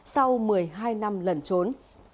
sau một mươi hai năm lẩn trốn